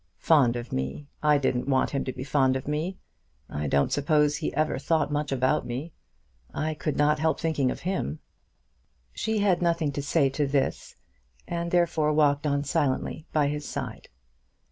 "Fond of me! I didn't want him to be fond of me. I don't suppose he ever thought much about me. I could not help thinking of him." She had nothing to say to this, and therefore walked on silently by his side.